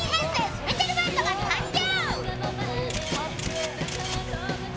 スペシャルバンドが誕生。